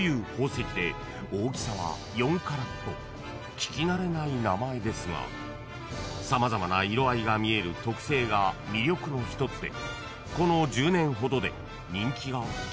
［聞き慣れない名前ですが様々な色合いが見える特性が魅力の一つで］